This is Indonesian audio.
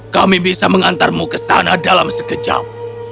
kami bisa mengantarmu ke sana dalam sekejap